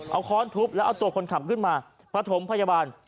เอาค้อนทุบแล้วเอาตัวคนขับขึ้นมาประถมพยาบาล